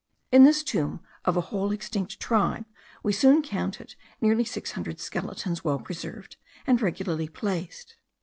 In this tomb of a whole extinct tribe we soon counted nearly six hundred skeletons well preserved, and regularly placed.